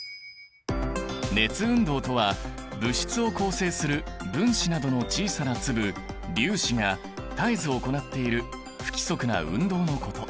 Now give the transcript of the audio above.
熱運動とは物質を構成する「分子」などの小さな粒「粒子」が絶えず行っている不規則な運動のこと。